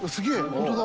本当だ。